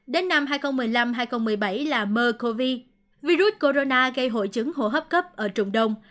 đến năm hai nghìn một mươi năm hai nghìn một mươi bảy là mers cov virus corona gây hội chứng hổ hấp cấp ở trung đông